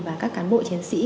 và các cán bộ chiến sĩ